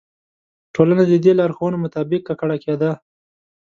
ټولنه د دې لارښوونو مطابق ککړه کېده.